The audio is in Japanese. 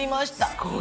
すごい！